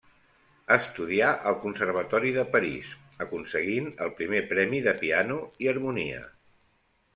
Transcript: Estudià al Conservatori de París, aconseguint el primer premi de piano i harmonia.